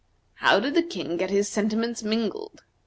"How did the King get his sentiments mingled?"